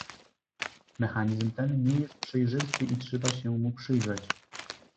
Mechanizm ten nie jest przejrzysty i trzeba się mu przyjrzeć